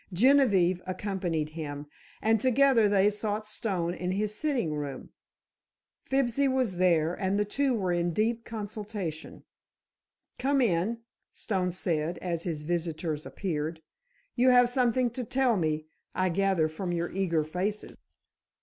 Genevieve accompanied him, and together they sought Stone in his sitting room. Fibsy was there and the two were in deep consultation. "Come in," Stone said, as his visitors appeared. "You have something to tell me, I gather from your eager faces."